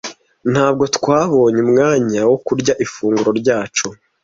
Ntabwo twabonye umwanya wo kurya ifunguro ryacu.